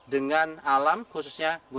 dengan alam khususnya gunung api